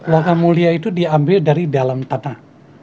logam mulia itu diambil dari dalam tanah